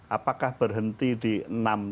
apakah berhenti di enam